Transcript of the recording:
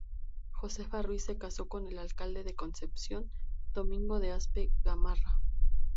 Josefa Ruiz, se casó con el alcalde de Concepción, Domingo de Aspe Gamarra.